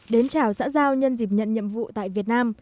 đến chào xã giao nhân dịp nhận nhiệm vụ tại việt nam